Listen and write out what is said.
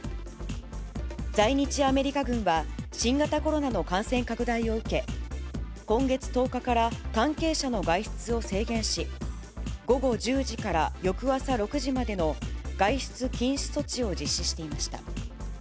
在日アメリカ軍は新型コロナの感染拡大を受け、今月１０日から関係者の外出を制限し、午後１０時から翌朝６時までの外出禁止措置を実施していました。